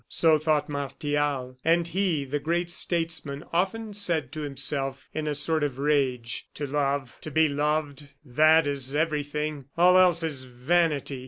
So thought Martial; and he, the great statesman, often said to himself, in a sort of rage: "To love, and to be loved that is everything! All else is vanity."